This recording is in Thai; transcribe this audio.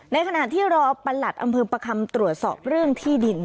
ในขณะที่รอประหลัดอำเภอประคำตรวจสอบเรื่องที่ดิน